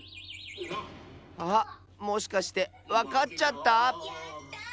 あっもしかしてわかっちゃった？